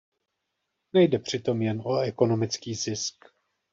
Nejde přitom jen o ekonomický zisk.